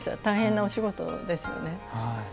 大変なお仕事ですよね。